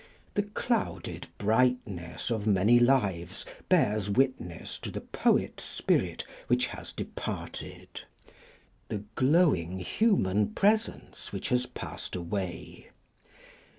The clouded brightness of many lives bears witness to the poet spirit which has departed, the glowing human presence which has passed away.